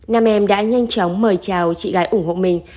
nam em đã nhanh chóng mời chào chị gái ủng hộ mình